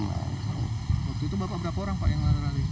waktu itu berapa orang yang ada